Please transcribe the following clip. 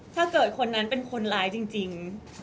ถ้าเกิดคนนั้นเป็นคนร้ายจริง